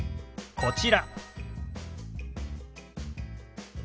こちら。